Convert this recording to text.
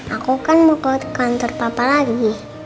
aku kan mau ke kantor papa lagi